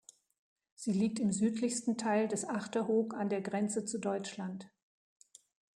Sie liegt im südlichsten Teil des Achterhoek an der Grenze zu Deutschland.